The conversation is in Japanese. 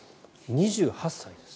２８歳です。